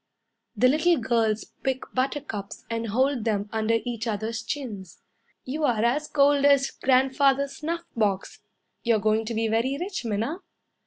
The little girls pick buttercups And hold them under each other's chins. "You're as gold as Grandfather's snuff box. You're going to be very rich, Minna."